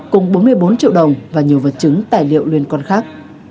cùng bốn mươi bốn triệu đồng và nhiều vật chứng tài liệu liên quan khác